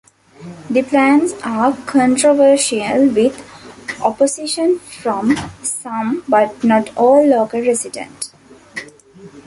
The plans are controversial with opposition from some, but not all local residents.